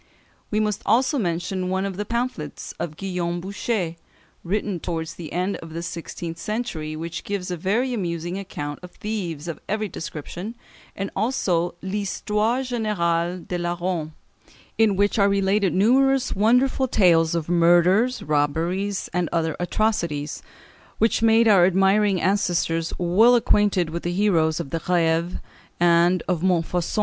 We must also mention one of the pamphlets of Guillaume Bouchet, written towards the end of the sixteenth century, which gives a very amusing account of thieves of every description, and also "L'Histoire Générale des Larrons," in which are related numerous wonderful tales of murders, robberies, and other atrocities, which made our admiring ancestors well acquainted with the heroes of the Grève and of Montfaucon.